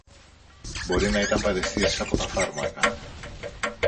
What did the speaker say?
Μπορεί να ήταν παραισθήσεις από τα φάρμακα